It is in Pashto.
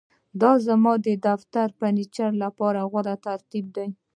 دا زموږ د دفتر د فرنیچر لپاره غوره ترتیب دی